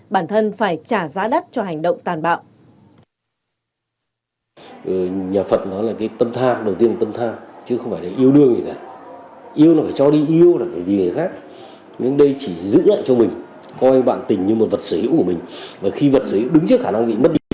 bản thân phải trả giá đắt cho hành động tàn bạo